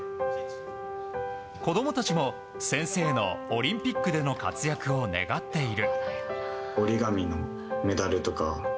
子供たちも先生のオリンピックでの活躍を願っている。